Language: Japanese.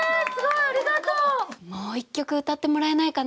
もう一曲歌ってもらえないかな。